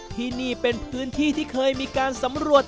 ที่นี่เป็นพื้นที่ที่เคยมีการสำรวจ